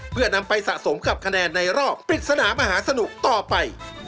เพื่อนำไปสะสมกับคะแนนในรอบปริศนามหาสนุกต่อไป